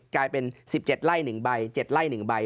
กลายเป็น๑๗ไร่๑ใบ๗ไร่๑ใบ